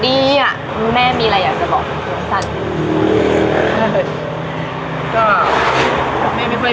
มีขอเสนออยากให้แม่หน่อยอ่อนสิทธิ์การเลี้ยงดู